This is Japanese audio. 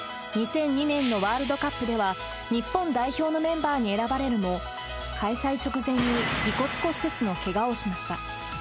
２００２年のワールドカップでは日本代表のメンバーに選ばれるも、開催直前に鼻骨骨折のけがをしました。